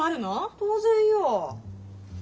当然よ。